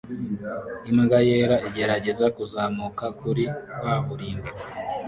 Imbwa yera igerageza kuzamuka kuri kaburimbo